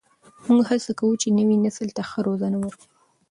موږ هڅه کوو چې نوي نسل ته ښه روزنه ورکړو.